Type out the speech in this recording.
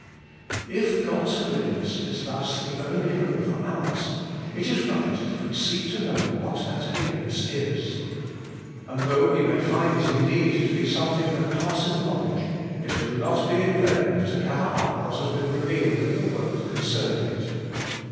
If God's Holiness is thus the only hope for ours, it is right that we seek to know what that Holiness is. And though we may find it indeed to be some thing that passeth knowledge, it will not be in vain to gather up what has been revealed in the Word con cerning it.